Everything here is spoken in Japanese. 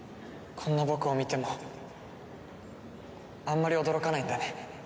こんな僕を見てもあんまり驚かないんだね。